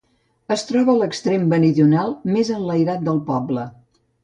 Es troba a l'extrem meridional, més enlairat, del poble.